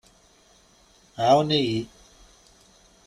ɛawen-iyi!